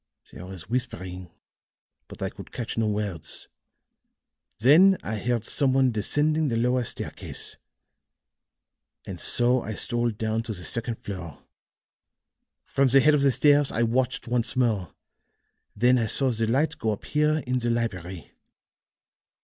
There was whispering, but I could catch no words. Then I heard some one descending the lower staircase; and so I stole down to the second floor. From the head of the stairs I watched once more; then I saw the light go up here in the library.